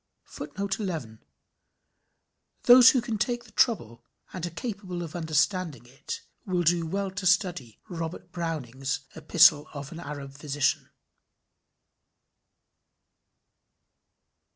[Footnote:11 Those who can take the trouble, and are capable of understanding it, will do well to study Robert Browning's "Epistle of an Arab Physician."